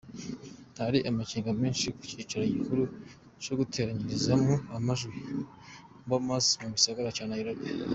Hari amakenga menshi ku cicaro gikuru co guteranirizamwo amajwi Bomas mu gisagara ca Nairobi.